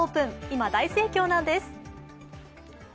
今、大盛況なんです。